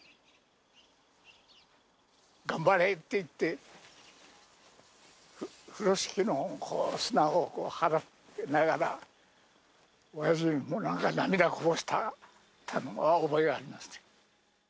頑張れって言って、風呂敷の砂を払いながら、おやじも、なんか涙こぼした覚えがありますね。